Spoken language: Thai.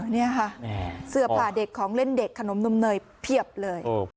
นี่ค่ะเสื้อผ้าเด็กของเล่นเด็กขนมนมเนยเพียบเลย